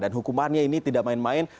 hukumannya ini tidak main main